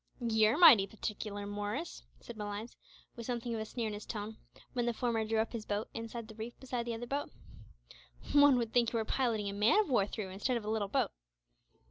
"You're mighty particular, Morris," said Malines, with something of a sneer in his tone, when the former drew up his boat inside the reef beside the other boat. "One would think you were piloting a man of war through instead of a little boat."